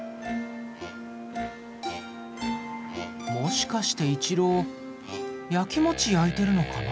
もしかしてイチローやきもちやいてるのかな？